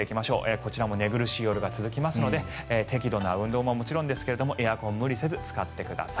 こちらも寝苦しい夜が続くので適度な運動ももちろんですけれど、エアコンを無理せず使ってください。